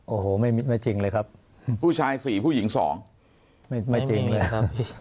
โอ้โหไม่จริงเลยครับผู้ชายสี่ผู้หญิงสองไม่จริงเลยครับ